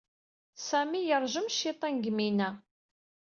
Sami yeṛjem aciṭan deg Mina.